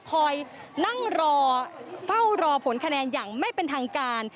คอยนั่งรอเฝ้ารอผลคะแนนอย่างไม่เป็นทางการ